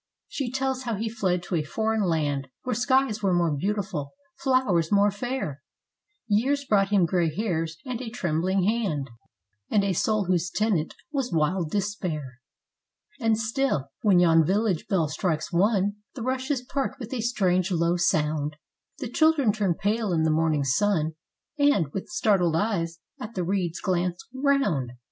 She tells how he fled to a foreign land, Where skies were more beautiful, flowers more fair; Years brought him grey hairs, and a trembling hand, And a soul, whose tenant was wild despair. " And still, when yon village bell strikes one, The rushes part with a strange, low sound;" — The children turn pale in the morning sun, And, with startled eyes, at the reeds glance round.